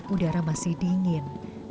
udara masih dingin